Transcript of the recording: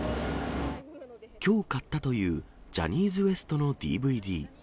きょう買ったというジャニーズＷＥＳＴのＤＶＤ。